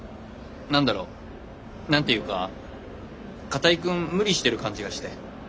何だろ何て言うか片居くん無理してる感じがして。